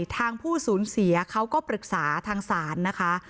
ทางผู้สูญเสียเขาก็ปรึกษาทางศาลนะคะ